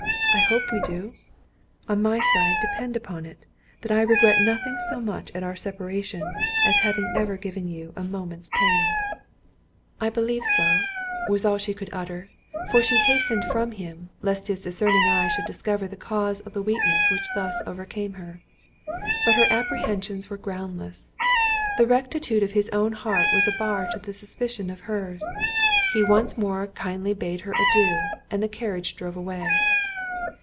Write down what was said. —I hope we do?—On my side, depend upon it, that I regret nothing so much at our separation, as having ever given you a moment's pain." "I believe so," was all she could utter, for she hastened from him, lest his discerning eye should discover the cause of the weakness which thus overcame her. But her apprehensions were groundless; the rectitude of his own heart was a bar to the suspicion of her's. He once more kindly bade her adieu, and the carriage drove away.